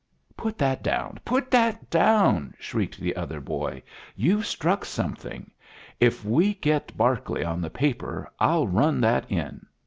"Put that down! put that down!" shrieked the other boy. "You've struck something. If we get Berkeley on the paper, I'll run that in."